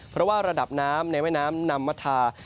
เพราะว่าระดับน้ำในแม่น้ำนำมาทา